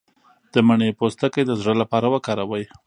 د مڼې پوستکی د زړه لپاره وکاروئ